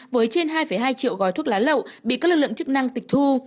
với trên hai hai triệu gói thuốc lá lậu bị các lực lượng chức năng tịch thu